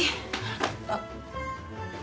あっ。